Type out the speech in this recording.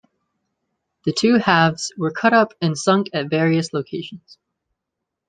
The two halves were cut up and sunk at various locations.